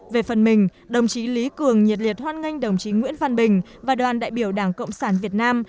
về phần mình đồng chí lý cường nhiệt liệt hoan nghênh đồng chí nguyễn văn bình và đoàn đại biểu đảng cộng sản việt nam